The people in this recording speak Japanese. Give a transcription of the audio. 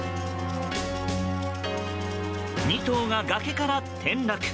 ２頭が崖から転落。